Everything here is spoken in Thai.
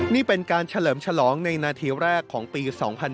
นี่เป็นการเฉลิมฉลองในนาทีแรกของปี๒๕๕๙